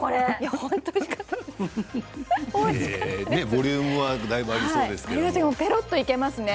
ボリュームがだいぶありそうでしたね。